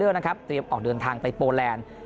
หลังควาช่องเชี่ยญนะครับออกเดินทางไปโปรแลนด์